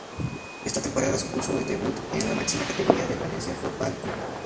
Esta temporada supuso el debut en la máxima categoría del Valencia Football Club.